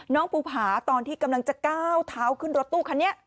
ภูผาตอนที่กำลังจะก้าวเท้าขึ้นรถตู้คันนี้